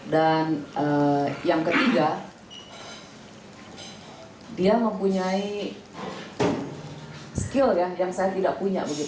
dan yang ketiga dia mempunyai skill yang saya tidak punya